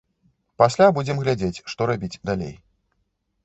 Пасля будзем глядзець, што рабіць далей.